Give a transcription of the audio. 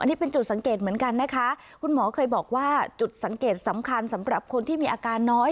นี่เป็นจุดสังเกตเหมือนกันนะคะคุณหมอเคยบอกว่าจุดสังเกตสำคัญสำหรับคนที่มีอาการน้อย